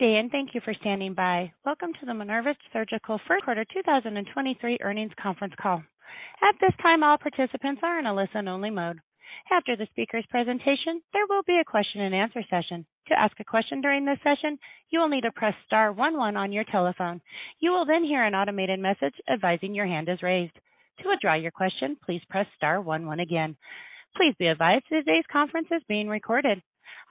Good day, and thank you for standing by. Welcome to the Minerva Surgical First Quarter 2023 Earnings Conference Call. At this time, all participants are in a listen-only mode. After the speaker's presentation, there will be a question-and-answer session. To ask a question during this session, you will need to press star one one on your telephone. You will then hear an automated message advising your hand is raised. To withdraw your question, please press star one one again. Please be advised today's conference is being recorded.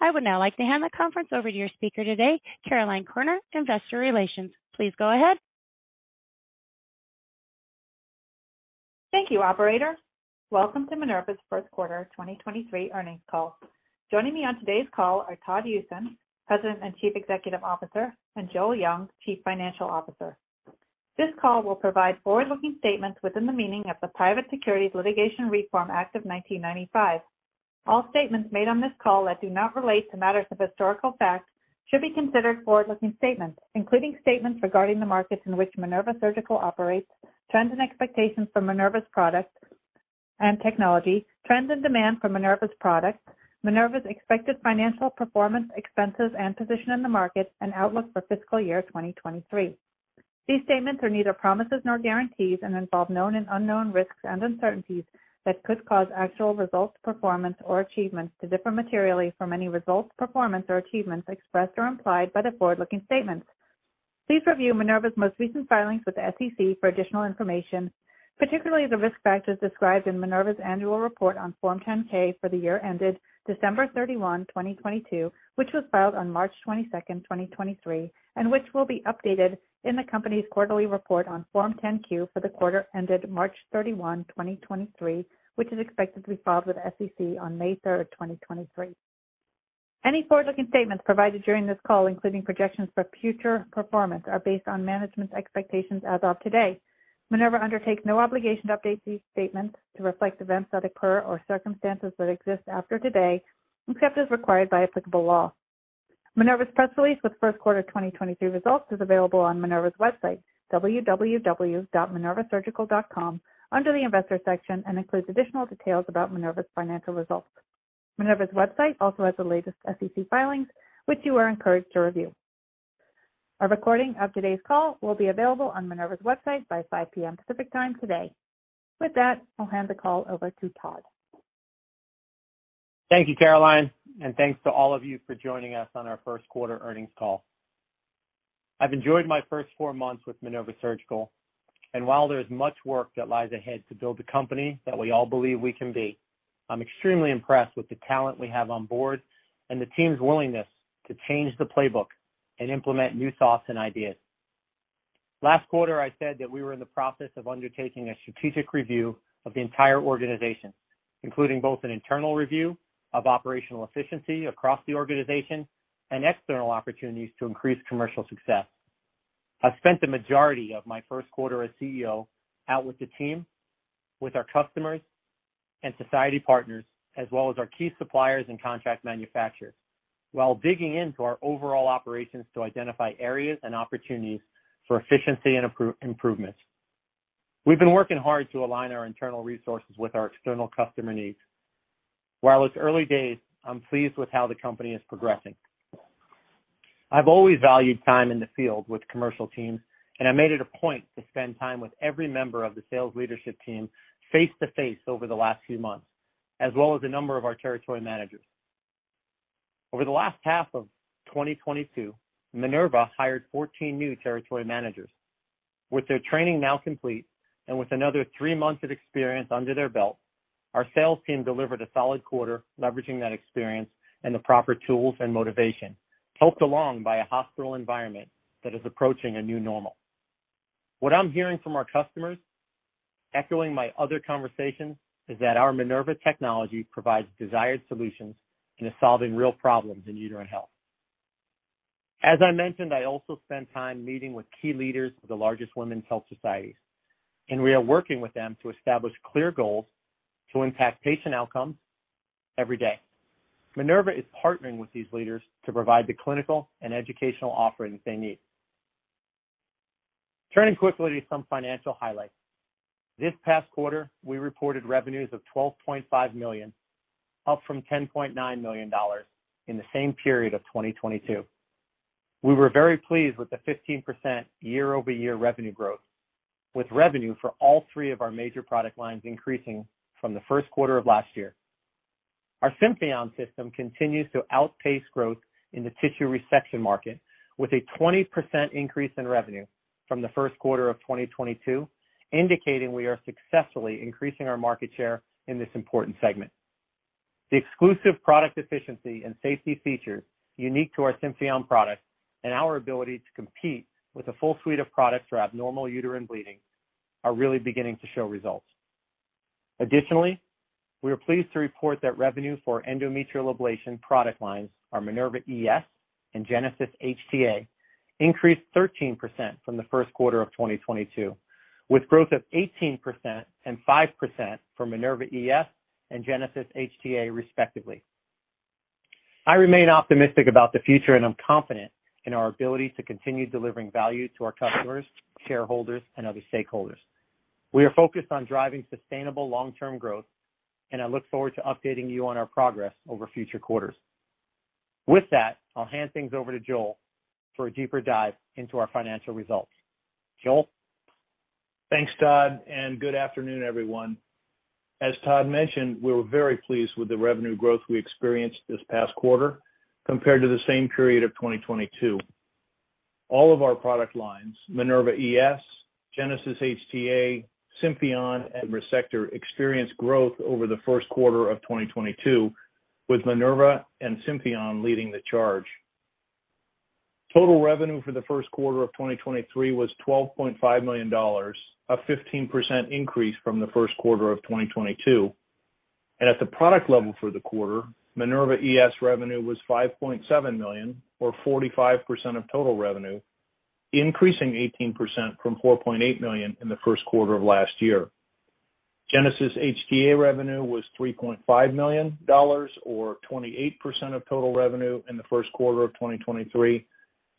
I would now like to hand the conference over to your speaker today, Caroline Corner, Investor Relations. Please go ahead. Thank you, operator. Welcome to Minerva's First Quarter 2023 earnings call. Joining me on today's call are Todd Usen, President and Chief Executive Officer, and Joel Jung, Chief Financial Officer. This call will provide forward-looking statements within the meaning of the Private Securities Litigation Reform Act of 1995. All statements made on this call that do not relate to matters of historical fact should be considered forward-looking statements, including statements regarding the markets in which Minerva Surgical operates, trends and expectations for Minerva's products and technology, trends and demand for Minerva's products, Minerva's expected financial performance, expenses, and position in the market and outlook for fiscal year 2023. These statements are neither promises nor guarantees and involve known and unknown risks and uncertainties that could cause actual results, performance or achievements to differ materially from any results, performance or achievements expressed or implied by the forward-looking statements. Please review Minerva's most recent filings with the SEC for additional information, particularly the risk factors described in Minerva's annual report on Form 10-K for the year ended December 31, 2022, which was filed on March 22, 2023, and which will be updated in the company's quarterly report on Form 10-Q for the quarter ended March 31, 2023, which is expected to be filed with the SEC on May 3, 2023. Any forward-looking statements provided during this call, including projections for future performance, are based on management's expectations as of today. Minerva undertakes no obligation to update these statements to reflect events that occur or circumstances that exist after today, except as required by applicable law. Minerva's press release with first quarter 2023 results is available on Minerva's website, www.minervasurgical.com, under the Investor section, and includes additional details about Minerva's financial results. Minerva's website also has the latest SEC filings, which you are encouraged to review. A recording of today's call will be available on Minerva's website by 5:00 P.M. Pacific Time today. With that, I'll hand the call over to Todd. Thank you, Caroline, and thanks to all of you for joining us on our first quarter earnings call. I've enjoyed my first four months with Minerva Surgical, and while there is much work that lies ahead to build the company that we all believe we can be, I'm extremely impressed with the talent we have on board and the team's willingness to change the playbook and implement new thoughts and ideas. Last quarter, I said that we were in the process of undertaking a strategic review of the entire organization, including both an internal review of operational efficiency across the organization and external opportunities to increase commercial success. I've spent the majority of my first quarter as CEO out with the team, with our customers and society partners, as well as our key suppliers and contract manufacturers, while digging into our overall operations to identify areas and opportunities for efficiency and improvements. We've been working hard to align our internal resources with our external customer needs. While it's early days, I'm pleased with how the company is progressing. I've always valued time in the field with commercial teams, and I made it a point to spend time with every member of the sales leadership team face-to-face over the last few months, as well as a number of our territory managers. Over the last half of 2022, Minerva hired 14 new territory managers. With their training now complete and with another three months of experience under their belt, our sales team delivered a solid quarter leveraging that experience and the proper tools and motivation, helped along by a hospital environment that is approaching a new normal. What I'm hearing from our customers, echoing my other conversations, is that our Minerva technology provides desired solutions and is solving real problems in uterine health. As I mentioned, I also spent time meeting with key leaders of the largest women's health societies, we are working with them to establish clear goals to impact patient outcomes every day. Minerva is partnering with these leaders to provide the clinical and educational offerings they need. Turning quickly to some financial highlights. This past quarter, we reported revenues of $12.5 million, up from $10.9 million in the same period of 2022. We were very pleased with the 15% year-over-year revenue growth, with revenue for all three of our major product lines increasing from the first quarter of last year. Our Symphion system continues to outpace growth in the tissue resection market, with a 20% increase in revenue from the first quarter of 2022, indicating we are successfully increasing our market share in this important segment. The exclusive product efficiency and safety features unique to our Symphion product and our ability to compete with a full suite of products for abnormal uterine bleeding are really beginning to show results. We are pleased to report that revenue for endometrial ablation product lines, our Minerva ES and Genesys HTA, increased 13% from the first quarter of 2022, with growth of 18% and 5% for Minerva ES and Genesys HTA, respectively. I remain optimistic about the future, and I'm confident in our ability to continue delivering value to our customers, shareholders, and other stakeholders. We are focused on driving sustainable long-term growth, and I look forward to updating you on our progress over future quarters. With that, I'll hand things over to Joel for a deeper dive into our financial results. Joel. Thanks, Todd, and good afternoon, everyone. As Todd mentioned, we were very pleased with the revenue growth we experienced this past quarter compared to the same period of 2022. All of our product lines, Minerva ES, Genesys HTA, Symphion and Resectr, experienced growth over the first quarter of 2022, with Minerva and Symphion leading the charge. Total revenue for the first quarter of 2023 was $12.5 million, a 15% increase from the first quarter of 2022. At the product level for the quarter, Minerva ES revenue was $5.7 million or 45% of total revenue, increasing 18% from $4.8 million in the first quarter of last year. Genesys HTA revenue was $3.5 million or 28% of total revenue in the first quarter of 2023,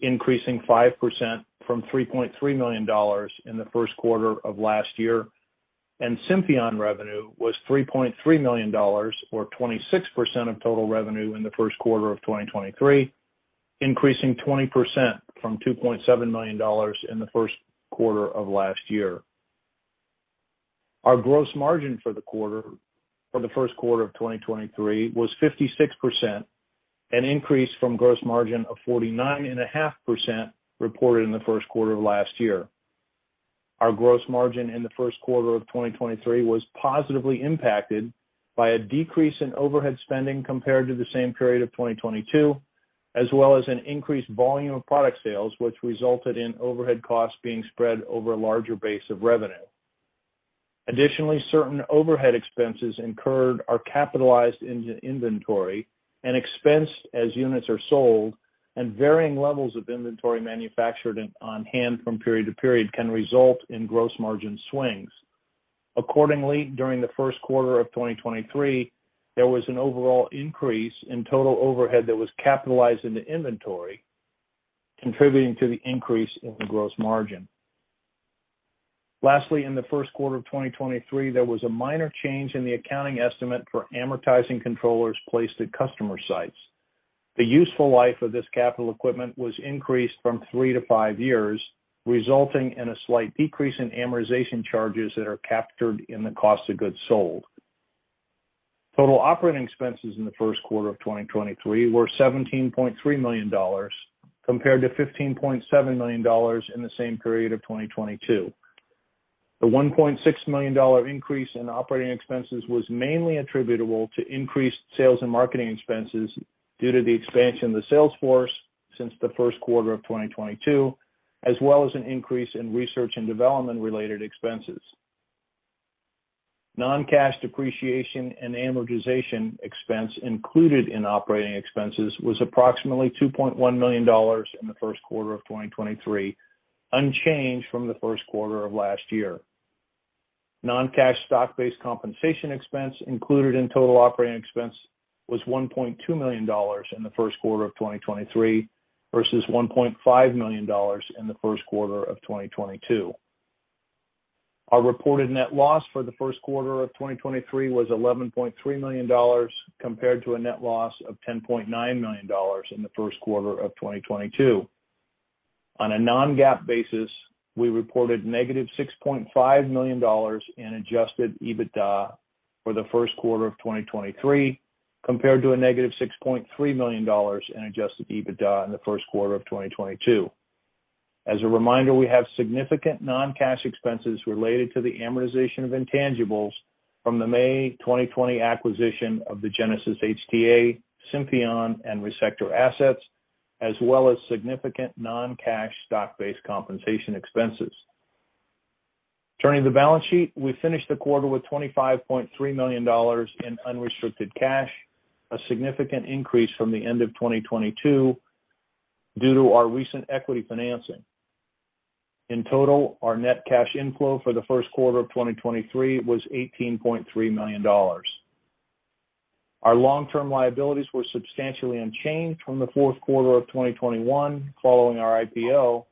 increasing 5% from $3.3 million in the first quarter of last year. Symphion revenue was $3.3 million or 26% of total revenue in the first quarter of 2023, increasing 20% from $2.7 million in the first quarter of last year. Our gross margin for the first quarter of 2023 was 56%, an increase from gross margin of 49.5% reported in the first quarter of last year. Our gross margin in the first quarter of 2023 was positively impacted by a decrease in overhead spending compared to the same period of 2022, as well as an increased volume of product sales, which resulted in overhead costs being spread over a larger base of revenue. Additionally, certain overhead expenses incurred are capitalized into inventory and expensed as units are sold, and varying levels of inventory manufactured and on hand from period to period can result in gross margin swings. Accordingly, during the first quarter of 2023, there was an overall increase in total overhead that was capitalized into inventory, contributing to the increase in the gross margin. Lastly, in the first quarter of 2023, there was a minor change in the accounting estimate for amortizing controllers placed at customer sites. The useful life of this capital equipment was increased from three to five years, resulting in a slight decrease in amortization charges that are captured in the cost of goods sold. Total operating expenses in the first quarter of 2023 were $17.3 million compared to $15.7 million in the same period of 2022. The $1.6 million increase in operating expenses was mainly attributable to increased sales and marketing expenses due to the expansion of the sales force since the first quarter of 2022, as well as an increase in research and development related expenses. Non-cash depreciation and amortization expense included in operating expenses was approximately $2.1 million in the first quarter of 2023, unchanged from the first quarter of last year. Non-cash stock-based compensation expense included in total operating expense was $1.2 million in the first quarter of 2023 versus $1.5 million in the first quarter of 2022. Our reported net loss for the first quarter of 2023 was $11.3 million compared to a net loss of $10.9 million in the first quarter of 2022. On a non-GAAP basis, we reported negative $6.5 million in adjusted EBITDA for the first quarter of 2023 compared to a negative $6.3 million in adjusted EBITDA in the first quarter of 2022. As a reminder, we have significant non-cash expenses related to the amortization of intangibles from the May 2020 acquisition of the Genesys HTA, Symphion and Resectr assets, as well as significant non-cash stock-based compensation expenses. Turning to the balance sheet, we finished the quarter with $25.3 million in unrestricted cash, a significant increase from the end of 2022 due to our recent equity financing. In total, our net cash inflow for the first quarter of 2023 was $18.3 million. Our long-term liabilities were substantially unchanged from the fourth quarter of 2021 following our IPO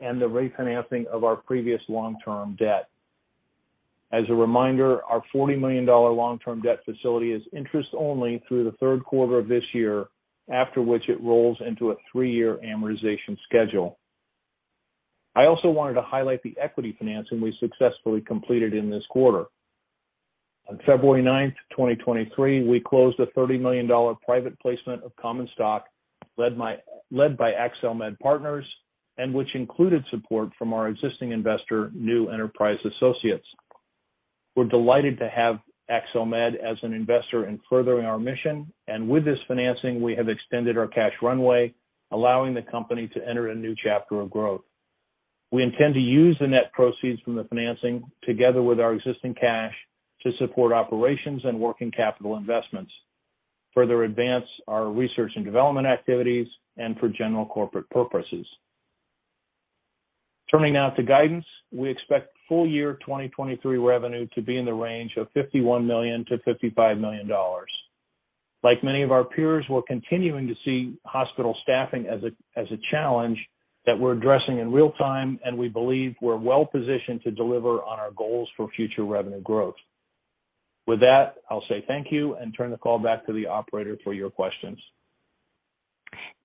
and the refinancing of our previous long-term debt. As a reminder, our $40 million long-term debt facility is interest only through the third quarter of this year, after which it rolls into a three year amortization schedule. I also wanted to highlight the equity financing we successfully completed in this quarter. On February 9, 2023, we closed a $30 million private placement of common stock led by Accelmed Partners and which included support from our existing investor, New Enterprise Associates. We're delighted to have Accelmed as an investor in furthering our mission. With this financing, we have extended our cash runway, allowing the company to enter a new chapter of growth. We intend to use the net proceeds from the financing together with our existing cash to support operations and working capital investments, further advance our research and development activities, and for general corporate purposes. Turning now to guidance, we expect full year 2023 revenue to be in the range of $51 million-$55 million. Like many of our peers, we're continuing to see hospital staffing as a challenge that we're addressing in real time, and we believe we're well-positioned to deliver on our goals for future revenue growth. With that, I'll say thank you and turn the call back to the operator for your questions.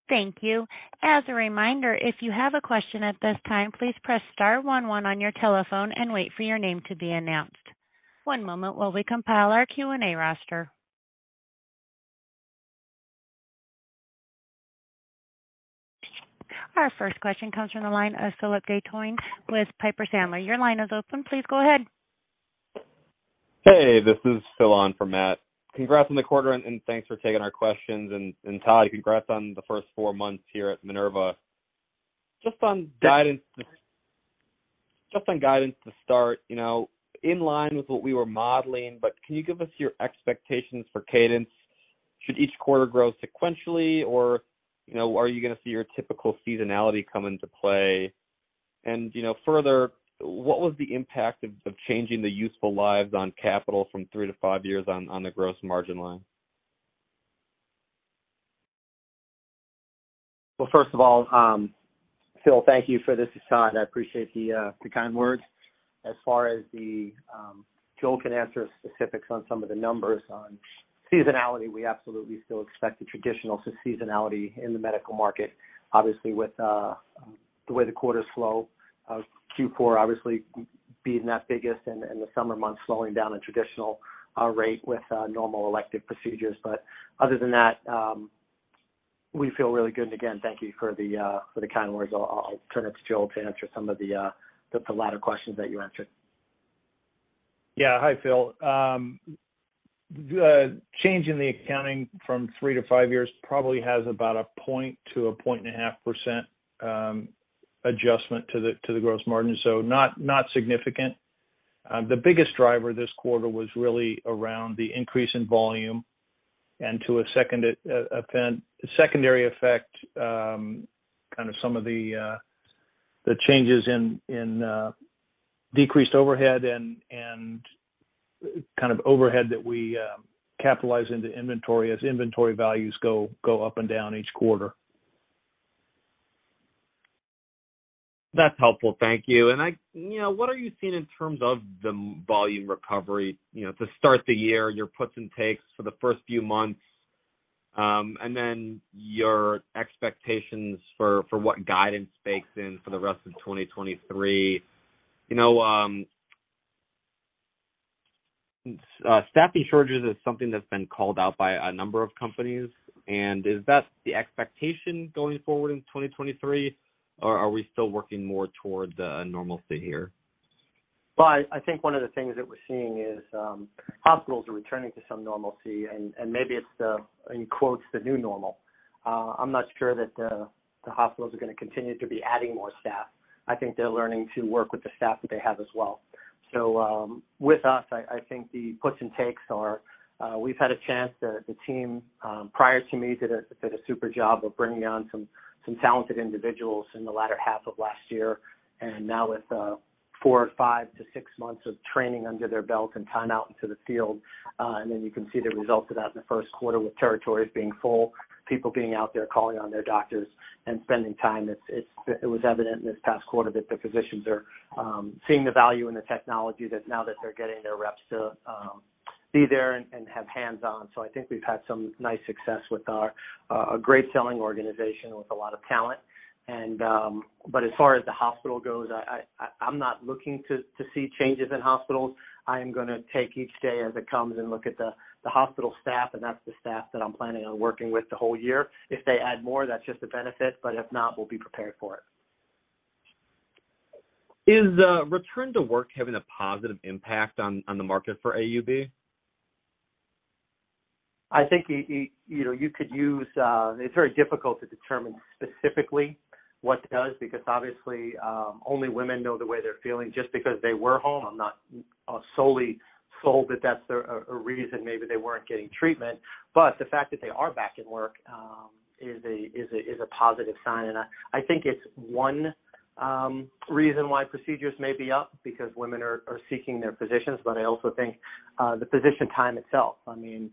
Thank you. As a reminder, if you have a question at this time, please press star one one on your telephone and wait for your name to be announced. One moment while we compile our Q&A roster. Our first question comes from the line of Phillip Dantoin with Piper Sandler. Your line is open. Please go ahead. Hey, this is Phil on for Matt. Congrats on the quarter and thanks for taking our questions, and Todd, congrats on the first four months here at Minerva. Just on guidance- Just on guidance to start, you know, in line with what we were modeling, can you give us your expectations for cadence? Should each quarter grow sequentially, or, you know, are you gonna see your typical seasonality come into play? You know, further, what was the impact of changing the useful lives on capital from 3 to 5 years on the gross margin line? Well, first of all, Phil, thank you for this facade. I appreciate the kind words. As far as the, Joel can answer specifics on some of the numbers. On seasonality, we absolutely still expect the traditional seasonality in the medical market, obviously with the way the quarters slow, Q4 obviously being that biggest and the summer months slowing down a traditional rate with normal elective procedures. Other than that, we feel really good. Again, thank you for the kind words. I'll turn it to Joel to answer some of the latter questions that you answered. Yeah. Hi, Phil. The change in the accounting from three to five years probably has about a 1%-1.5% adjustment to the gross margin, not significant. The biggest driver this quarter was really around the increase in volume and to a secondary effect, kind of some of the changes in decreased overhead and kind of overhead that we capitalize into inventory as inventory values go up and down each quarter. That's helpful. Thank you. You know, what are you seeing in terms of the volume recovery, you know, to start the year, your puts and takes for the first few months, and then your expectations for what guidance bakes in for the rest of 2023. You know, staffing shortages is something that's been called out by a number of companies. Is that the expectation going forward in 2023, or are we still working more toward the normalcy here? I think one of the things that we're seeing is hospitals are returning to some normalcy and maybe it's, in quotes, 'the new normal'. I'm not sure that the hospitals are gonna continue to be adding more staff. I think they're learning to work with the staff that they have as well. With us, I think the puts and takes are we've had a chance. The team prior to me did a super job of bringing on some talented individuals in the latter half of last year. Now with four or five to six months of training under their belt and time out into the field, then you can see the results of that in the 1st quarter with territories being full, people being out there calling on their doctors and spending time. It was evident this past quarter that the physicians are seeing the value in the technology that now that they're getting their reps to be there and have hands-on. I think we've had some nice success with our a great selling organization with a lot of talent. But as far as the hospital goes, I'm not looking to see changes in hospitals. I am gonna take each day as it comes and look at the hospital staff. That's the staff that I'm planning on working with the whole year. If they add more, that's just a benefit. If not, we'll be prepared for it. Is return to work having a positive impact on the market for AUB? I think you know, you could use. It's very difficult to determine specifically what does because obviously, only women know the way they're feeling. Just because they were home, I'm not solely sold that that's their a reason maybe they weren't getting treatment. The fact that they are back at work is a positive sign. I think it's one reason why procedures may be up because women are seeking their physicians. I also think the physician time itself. I mean,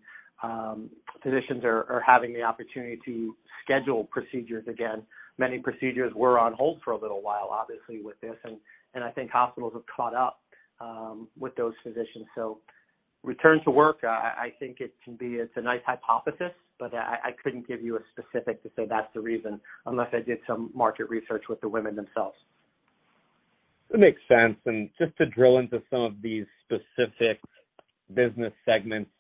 physicians are having the opportunity to schedule procedures again. Many procedures were on hold for a little while, obviously, with this and I think hospitals have caught up with those physicians. Return to work, I think it can be. It's a nice hypothesis, but I couldn't give you a specific to say that's the reason unless I did some market research with the women themselves. It makes sense. Just to drill into some of these specific business segments,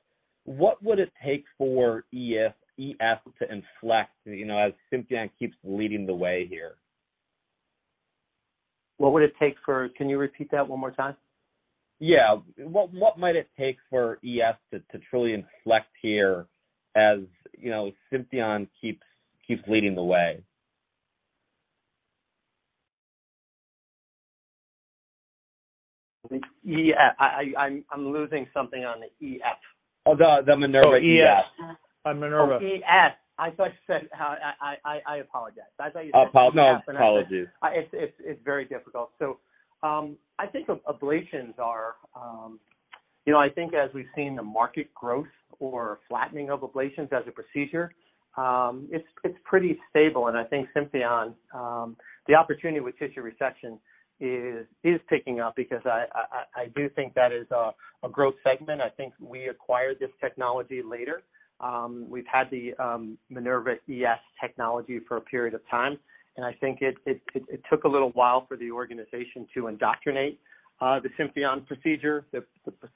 what would it take for ES to inflect, you know, as Symphion keeps leading the way here? Can you repeat that one more time? What, what might it take for ES to truly inflect here as, you know, Symphion keeps leading the way? I'm losing something on the ES. Oh, the Minerva ES. Oh, yes. On Minerva. Oh, ES. I thought you said... I apologize. I thought you said... No apologies. It's very difficult. I think ablations are, you know, I think as we've seen the market growth or flattening of ablations as a procedure, it's pretty stable. I think Symphion, the opportunity with tissue resection is picking up because I do think that is a growth segment. I think we acquired this technology later. We've had the Minerva ES technology for a period of time, and I think it took a little while for the organization to indoctrinate the Symphion procedure, the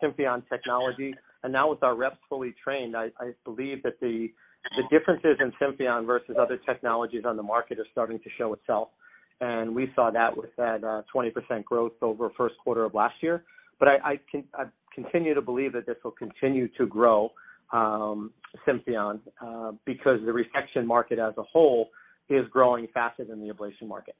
Symphion technology. Now with our reps fully trained, I believe that the differences in Symphion versus other technologies on the market are starting to show itself. We saw that with that 20% growth over first quarter of last year. I continue to believe that this will continue to grow, Symphion, because the resection market as a whole is growing faster than the ablation market.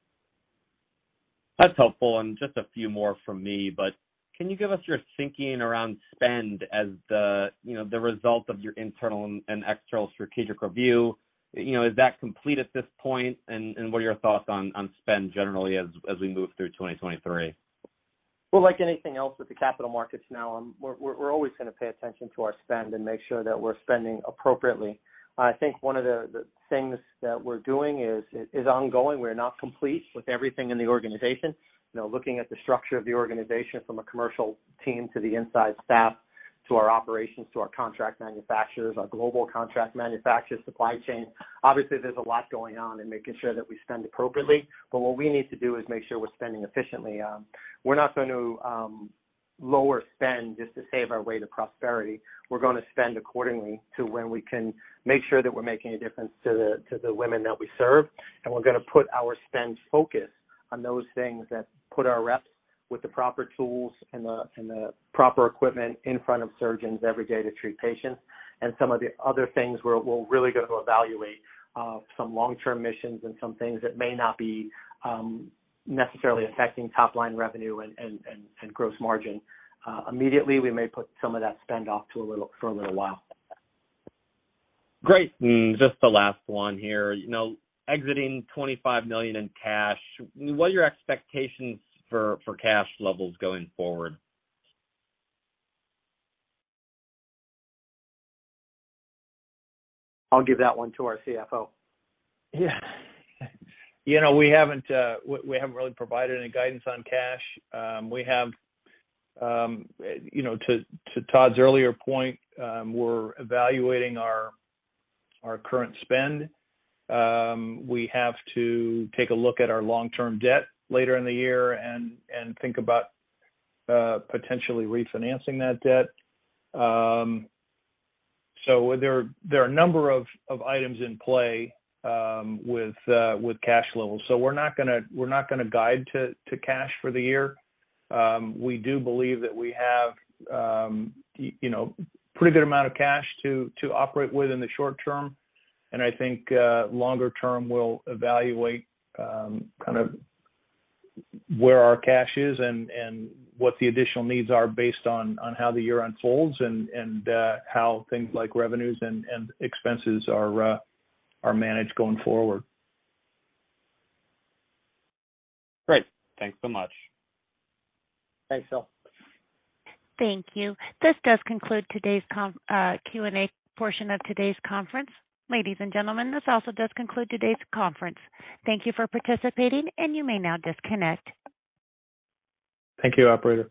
That's helpful. Just a few more from me, but can you give us your thinking around spend as the, you know, the result of your internal and external strategic review? You know, is that complete at this point? What are your thoughts on spend generally as we move through 2023? Well, like anything else with the capital markets now, we're always gonna pay attention to our spend and make sure that we're spending appropriately. I think one of the things that we're doing is ongoing. We're not complete with everything in the organization. You know, looking at the structure of the organization from a commercial team to the inside staff, to our operations, to our contract manufacturers, our global contract manufacturers, supply chain. Obviously, there's a lot going on in making sure that we spend appropriately, but what we need to do is make sure we're spending efficiently. We're not going to lower spend just to save our way to prosperity. We're gonna spend accordingly to when we can make sure that we're making a difference to the women that we serve. We're gonna put our spend focus on those things that put our reps with the proper tools and the proper equipment in front of surgeons every day to treat patients. Some of the other things we're really gonna evaluate some long-term missions and some things that may not be necessarily affecting top line revenue and gross margin. Immediately, we may put some of that spend off for a little while. Great. Just the last one here. You know, exiting $25 million in cash, what are your expectations for cash levels going forward? I'll give that one to our CFO. Yeah. You know, we haven't really provided any guidance on cash. We have, you know, to Todd's earlier point, we're evaluating our current spend. We have to take a look at our long-term debt later in the year and think about potentially refinancing that debt. There are a number of items in play with cash levels. We're not gonna guide to cash for the year. We do believe that we have, you know, pretty good amount of cash to operate with in the short term. I think, longer term, we'll evaluate, kind of where our cash is and what the additional needs are based on how the year unfolds and how things like revenues and expenses are managed going forward. Great. Thanks so much. Thanks, Phil. Thank you. This does conclude today's Q&A portion of today's conference. Ladies and gentlemen, this also does conclude today's conference. Thank you for participating, and you may now disconnect. Thank you, operator.